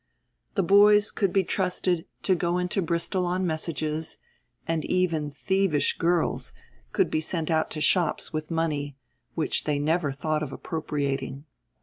The boys could be trusted to go into Bristol on messages, and even "thievish girls" could be sent out to shops with money, which they never thought of appropriating.